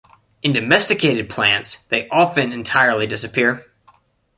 In domesticated plants they often entirely disappear.